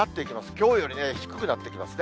きょうよりね、低くなってきますね。